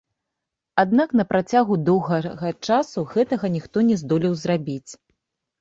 Аднак на працягу доўгага часу гэтага ніхто не здолеў зрабіць.